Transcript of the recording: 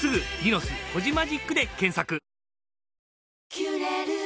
「キュレル」